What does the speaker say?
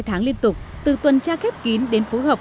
hai tháng liên tục từ tuần tra kết kín đến phối hợp